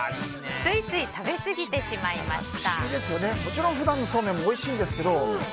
ついつい食べ過ぎてしちゃいました。